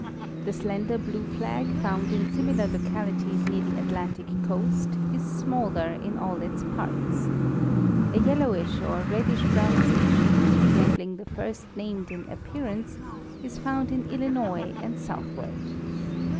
The slender blue flag found in similar localities near the Atlantic coast, is smaller in all its parts. A yellowish or reddish brown species, resembling the first named in appearance, is found in Illinois and southward.